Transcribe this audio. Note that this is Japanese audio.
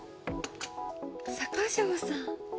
坂上さん。